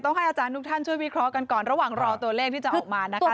ให้อาจารย์ทุกท่านช่วยวิเคราะห์กันก่อนระหว่างรอตัวเลขที่จะออกมานะคะ